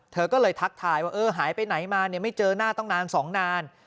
เธอก็เลยทักทายว่าเออหายไปไหนมาเนี่ยไม่เจอหน้าต้องนาน๒นาน